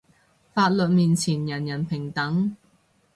法律面前人人平等